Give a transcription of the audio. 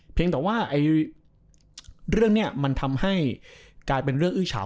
เพียงแต่ว่าเรื่องนี้มันทำให้กลายเป็นเรื่องอื้อเฉา